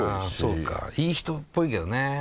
あそうかいい人っぽいけどね。